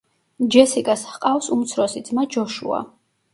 ჯესიკას ჰყავს უმცროსი ძმა ჯოშუა.